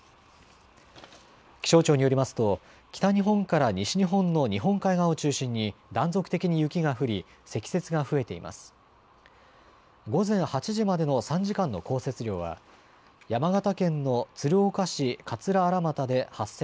気象庁によりますと北日本から西日本の日本海側を中心に断続的に雪が降り積雪が増えています。